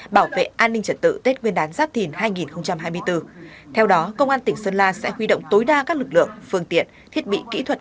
bảo vệ an ninh trật tự tết nguyên đán giáp thìn hai nghìn hai mươi bốn theo đó công an tỉnh sơn la sẽ huy động tối đa các lực lượng phương tiện thiết bị kỹ thuật